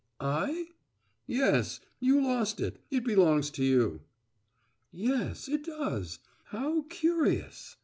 "I?" "Yes. You lost it. It belongs to you." "Yes it does. How curious!"